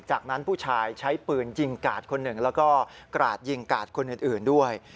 จากนั้นผู้ชายใช้ปืนยิงกาดคนหนึ่งแล้วก็กราดยิงกาดคนอื่นด้วย